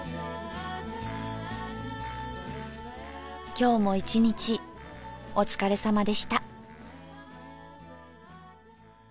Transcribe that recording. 今日も一日お疲れさまでした。